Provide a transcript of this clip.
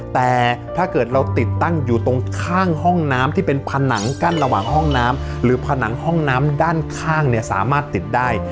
แต่ถ้าเกิดเราติดตั้งอยู่ตรงข้างห้องน้ำที่เป็นผนังกั้นระหว่างห้องน้ำหรือผนังห้องน้ำด้านข้างเนี่ยสามารถติดได้